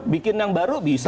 bikin yang baru bisa